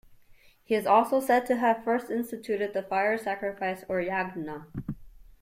He is also said to have first instituted the fire-sacrifice or yagna.